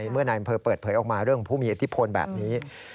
เมื่อนายอำเภอเปิดเผยออกมาเรื่องผู้มีอิทธิพลแบบนี้